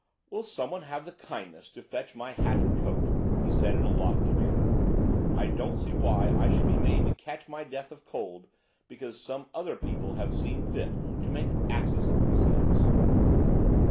HE GREW DEADLY WHITE. "Will someone have the kindness to fetch my hat and coat," he said in a lofty manner. "I don't see why I should be made to catch my death of cold because some other people have seen fit to make asses of themselves."